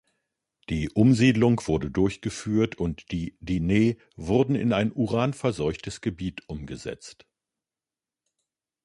Die Umsiedelung wurde durchgeführt, und die Dineh wurden in ein uranverseuchtes Gebiet umgesetzt.